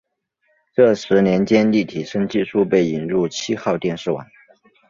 这十年间立体声技术被引入七号电视网。